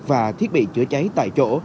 và thiết bị chữa cháy tại chỗ